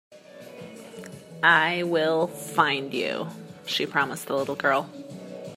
"I will find you.", she promised the little girl.